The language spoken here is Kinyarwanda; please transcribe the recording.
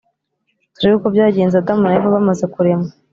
turebe uko byagenze Adamu na Eva bamaze kuremwa